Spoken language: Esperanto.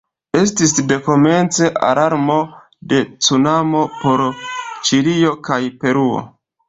Estis dekomence alarmo de cunamo por Ĉilio kaj Peruo.